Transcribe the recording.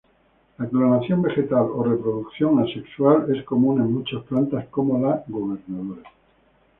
La clonación vegetal o reproducción asexual es común en muchas plantas, como la gobernadora.